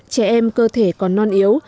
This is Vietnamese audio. trẻ em cơ thể còn non yếu